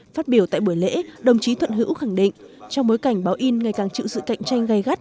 phát biểu tại buổi lễ đồng chí thuận hữu khẳng định trong bối cảnh báo in ngày càng chịu sự cạnh tranh gây gắt